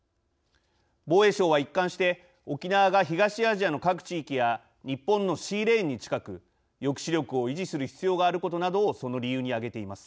防衛省は、一貫して沖縄が東アジアの各地域や日本のシーレーンに近く抑止力を維持する必要があることなどをその理由に挙げています。